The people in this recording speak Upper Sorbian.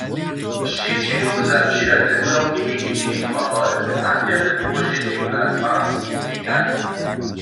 Přičinu za přidatne wudawki widźi Dietmar Wolf w napjatym połoženju na twarskich wikach.